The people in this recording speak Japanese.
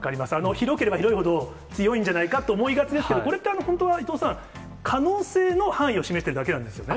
広ければ広いほど強いって思う方、これって本当は伊藤さん、可能性の範囲を示しているだけなんですよね？